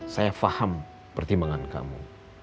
saya paham pertimbangan kamu